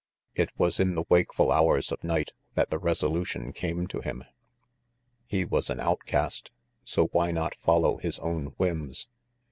It was in the wakeful hours of night that the resolution came to him. He was an outcast, so why not follow his own whims?